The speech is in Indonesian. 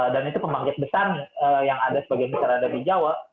dan itu pembangkit besarnya yang ada sebagai misal ada di jawa